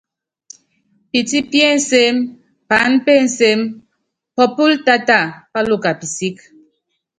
Pití pí ensem paán pé ensem, pópól táta páluka pisík.